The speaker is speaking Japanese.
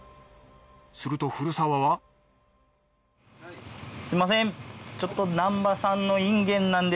すると古澤はすみません。